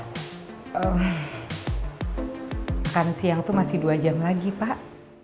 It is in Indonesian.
makan siang itu masih dua jam lagi pak